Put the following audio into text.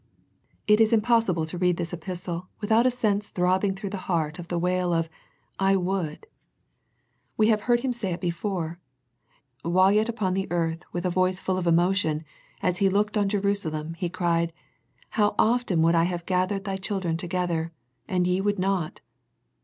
It is impossible to read this epistle without a sense throbbing through the heart of the wail of " I would." 204 A First Century Message We have heard Him say it before. While yet upon the earth, with a voice full of emotion, as He looked on Jerusalem, He cried, " How often I would have gathered thy children together, ... and ye would not